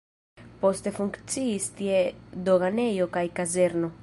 Poste funkciis tie doganejo kaj kazerno.